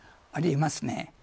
あり得ますね。